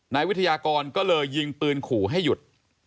นายวิทยากรก็เลยยิงปืนขู่ให้หยุด